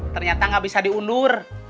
ternyata gak bisa diundur